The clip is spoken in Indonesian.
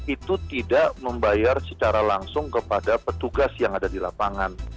itu tidak membayar secara langsung kepada petugas yang ada di lapangan